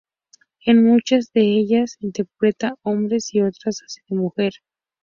En muchas de ellas interpreta hombres y otras hace de mujer.